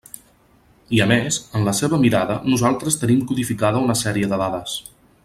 I a més, en la seua mirada, nosaltres tenim codificada una sèrie de dades.